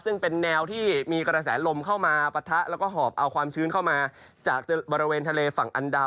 จะสั่งเก็บว่านี่คือภาพดาวเเทียมนะครับ